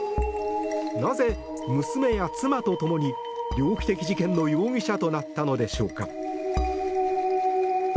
なぜ、娘や妻とともに猟奇的事件の容疑者となったのでしょうか。